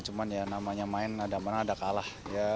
cuma ya namanya main ada menang ada kalah